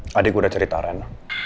tadi gue udah cerita rena